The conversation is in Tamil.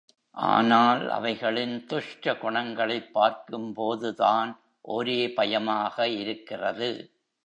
ஆனால் அவைகளின் துஷ்ட குணங்களைப் பார்க்கும் போதுதான் ஒரே பயமாக இருக்கிறது.